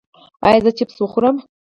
ایا زه چپس وخورم؟